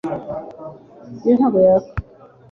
uyu mukinnyi yagukunze, mwana wanjye